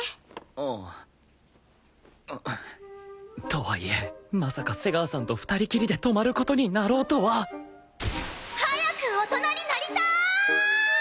とはいえまさか瀬川さんと２人きりで泊まる事になろうとは早く大人になりたーい！！